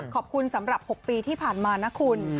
สำหรับ๖ปีที่ผ่านมานะคุณ